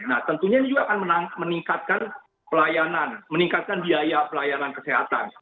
nah tentunya ini juga akan meningkatkan pelayanan meningkatkan biaya pelayanan kesehatan